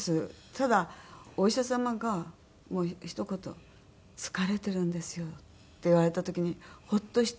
ただお医者様がもうひと言「疲れてるんですよ」って言われた時にホッとして。